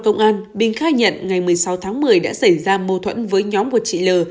công an bình khai nhận ngày một mươi sáu tháng một mươi đã xảy ra mâu thuẫn với nhóm của chị l